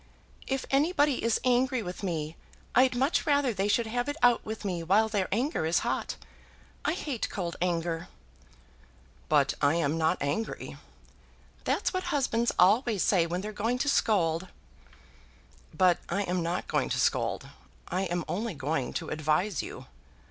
"If anybody is angry with me I'd much rather they should have it out with me while their anger is hot. I hate cold anger." "But I am not angry." "That's what husbands always say when they're going to scold." "But I am not going to scold. I am only going to advise you."